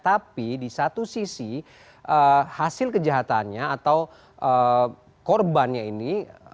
tapi di satu sisi hasil kejahatannya atau korbannya ini